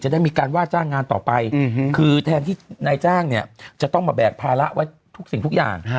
ได้มีการว่าจ้างงานต่อไปคือแทนที่นายจ้างเนี่ยจะต้องมาแบกภาระไว้ทุกสิ่งทุกอย่าง